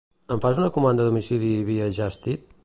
Em fas una comanda a domicili via Just Eat?